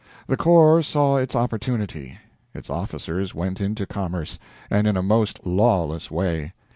The Corps saw its opportunity. Its officers went into commerce, and in a most lawless way.